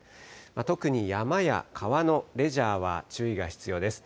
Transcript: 特に山や川のレジャーは注意が必要です。